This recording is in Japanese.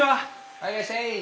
はいいらっしゃい！